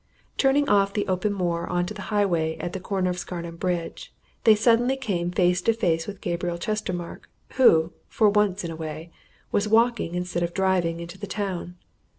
Turning off the open moor on to the highway at the corner of Scarnham Bridge, they suddenly came face to face with Gabriel Chestermarke, who, for once in a way, was walking instead of driving into the town.